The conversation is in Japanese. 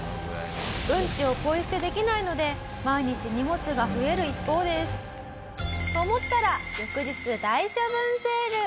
ウンチをポイ捨てできないので毎日荷物が増える一方です。と思ったら翌日大処分セール。